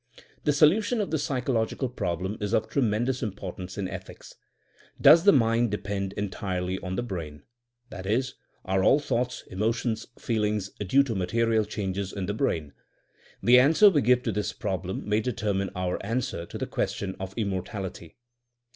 The solution of this psychological problem is of tremendous im portance in ethics. Does the mind depend entirely on the brain? That is,* are all thoughts, emotions, feelings, due to material changes in the brain? The an swer we give to this problem may determine our answer to the question of immortality.